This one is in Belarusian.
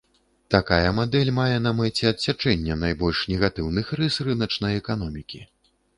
Такая мадэль мае на мэце адсячэнне найбольш негатыўных рыс рыначнай эканомікі.